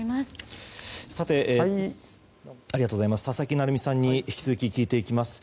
さて、佐々木成三さんに引き続き聞いていきます。